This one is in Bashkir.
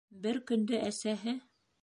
Бер көндө әсәһе: